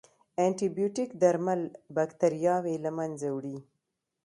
انټيبیوټیک درمل باکتریاوې له منځه وړي.